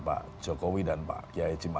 pak jokowi dan pak kiai jimah